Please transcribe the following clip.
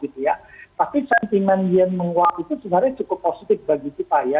tapi sentimen yen menguat itu sebenarnya cukup positif bagi kita ya